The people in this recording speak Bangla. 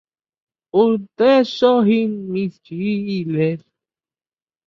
দলে তিনি মূলতঃ ডানহাতি মিডিয়াম বোলার ছিলেন।